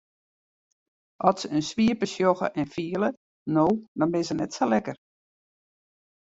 At se in swipe sjogge en fiele no dan binne se net sa lekker.